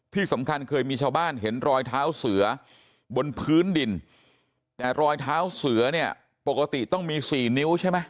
ที่สำคัญเคยมีชาวบ้านเห็นรอยเท้าเสือบนพื้นดินแต่รอยเท้าเสือเนี่ยปกติต้องมีสี่นิ้วใช่ไหม